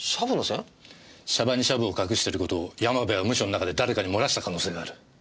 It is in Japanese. シャバにシャブを隠してることを山部はムショの中で誰かに漏らした可能性がある。